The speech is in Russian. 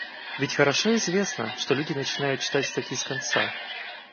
Ведь хорошо известно, что люди начинают читать статьи с конца